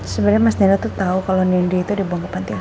sebenernya mas nino tuh tau kalo nindi tuh dibawa ke pantai asuhan